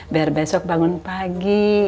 biar besok bangun pagi